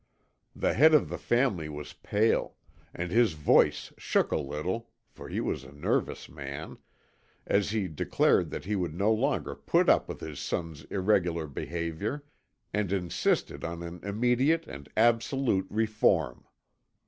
The head of the family was pale, and his voice shook a little (for he was a nervous man), as he declared that he would no longer put up with his son's irregular behaviour, and insisted on an immediate and absolute reform.